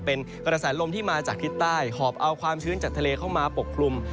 เป็นกระแสลมที่มาจากทิศใต้หอบเอาความชื้นจากทะเลเข้ามาปกคลุม